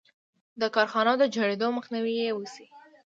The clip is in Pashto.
د کارخانو د جوړېدو مخنیوی یې وشي.